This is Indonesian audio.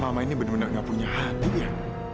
mama ini bener bener gak punya hati ya